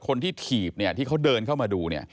คนที่ถีบที่เขาเดินเข้ามาดู